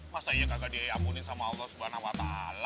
masa iya kagak diampunin sama allah swt